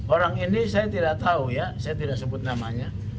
orang ini saya tidak tahu ya saya tidak sebut namanya